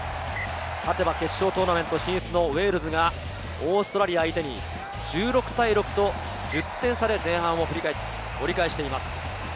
勝てば決勝トーナメント進出のウェールズがオーストラリア相手に１６対６と、１０点差で前半を折り返しています。